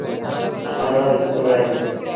هر روز اسڪُول وهي دو